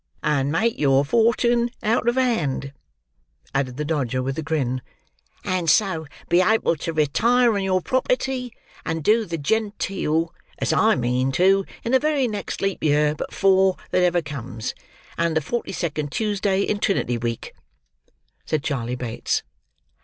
"And make your fortun' out of hand?" added the Dodger, with a grin. "And so be able to retire on your property, and do the gen teel: as I mean to, in the very next leap year but four that ever comes, and the forty second Tuesday in Trinity week," said Charley Bates.